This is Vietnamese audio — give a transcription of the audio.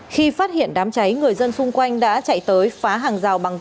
khi phát hiện đám cháy người dân xung quanh đã chạy tới phá hàng rào bằng